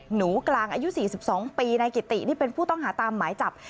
หนูกลางอายุ๔๒ปีนายกิตินี่เป็นผู้ต้องหาตามหมายจับ